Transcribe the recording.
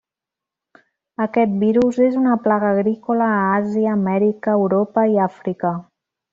Aquest virus és una plaga agrícola a Àsia, Amèrica, Europa i Àfrica.